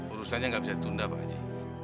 urusannya nggak bisa ditunda pak haji